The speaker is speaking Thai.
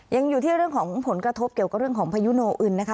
ยังอยู่ที่เรื่องของผลกระทบเกี่ยวกับเรื่องของพายุโนอึนนะคะ